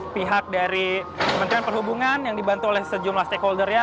pihak dari kementerian perhubungan yang dibantu oleh sejumlah stakeholdernya